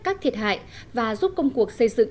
các thiệt hại và giúp công cuộc xây dựng